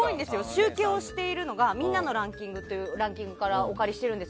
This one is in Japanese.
集計をしているのがみんなのランキングというランキングから大丈夫なの？